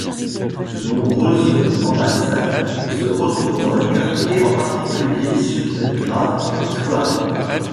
De nombreuses ambassades se trouvent dans le quartier, en particulier sur Belgrave Square.